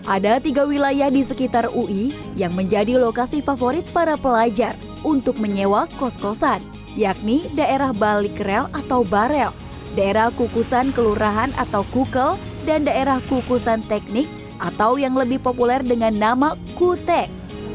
ada tiga wilayah di sekitar ui yang menjadi lokasi favorit para pelajar untuk menyewa kos kosan yakni daerah balikrel atau barel daerah kukusan kelurahan atau kukel dan daerah kukusan teknik atau yang lebih populer dengan nama kutek